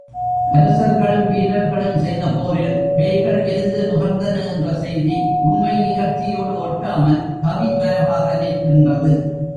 அரசர்களும், வீரர்களும் செய்த போரில் பேய்கள் விருந்து நுகர்ந்தன என்ற செய்தி உண்மை நிகழ்ச்சியோடு ஒட்டாமல், கவிமரபாக நிற்கின்றது.